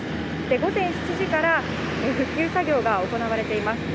午前７時から、復旧作業が行われています。